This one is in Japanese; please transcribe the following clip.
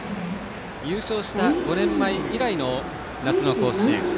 優勝した５年前以来の夏の甲子園。